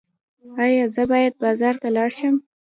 ایا زه باید بازار ته لاړ شم؟